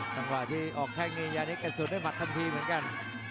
ตอนที่ออกแค่งนี้ยานิสสูญเหมือนกัน